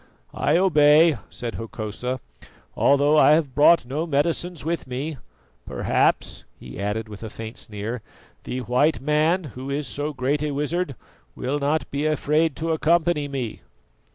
"I obey," said Hokosa, "although I have brought no medicines with me. Perhaps," he added with a faint sneer, "the white man, who is so great a wizard, will not be afraid to accompany me."